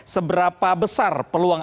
seberapa besar peluang